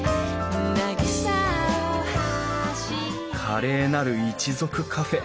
「華麗なる一族カフェ。